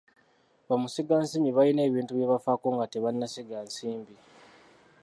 Bamusigansimbi balina ebintu bye bafaako nga tebannasiga nsimbi.